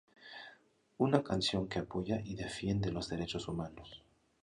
Una canción que apoya y defiende los derechos humanos.